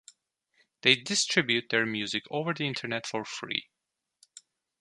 They distribute their music over the internet for free.